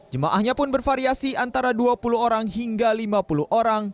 jemaahnya pun bervariasi antara dua puluh orang hingga lima puluh orang